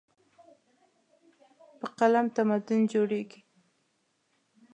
په قلم تمدن جوړېږي.